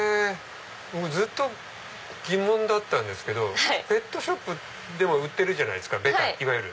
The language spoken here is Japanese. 僕ずっと疑問だったんですけどペットショップでも売ってるじゃないですかベタ。